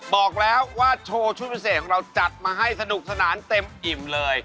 บอกแล้วว่าโชว์ชุดพิเศษของเราจัดมาให้สนุกสนานเต็มอิ่มเลย